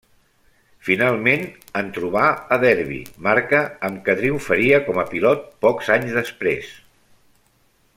Finalment, en trobà a Derbi, marca amb què triomfaria com a pilot pocs anys després.